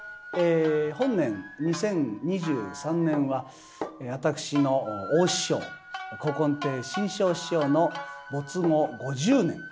本年２０２３年は私の大師匠古今亭志ん生師匠の没後５０年。